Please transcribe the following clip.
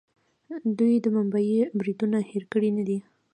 دوی د ممبۍ بریدونه هیر کړي نه دي.